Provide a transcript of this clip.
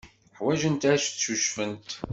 Ḥwajent ad ccucfent.